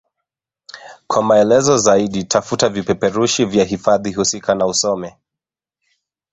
Kwa maelezo zaidi tafuta vipeperushi vya hifadhi husika na usome